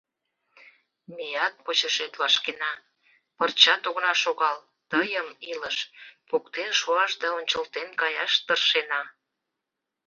Меат почешет вашкена, пырчат огына шогал, тыйым, илыш, поктен шуаш да ончылтен каяш тыршена.